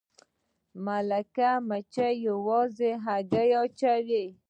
ملکه مچۍ یوازې هګۍ اچوي